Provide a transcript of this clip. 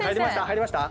入りました？